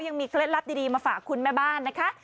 เคล็ดลับดีมาฝากคุณแม่บ้านนะคะ